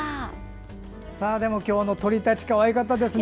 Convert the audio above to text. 今日の鳥たちかわいかったですね。